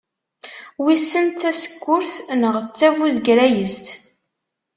Wissen d tasekkurt neɣ d tabuzegrayezt?